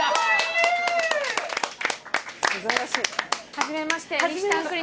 はじめまして。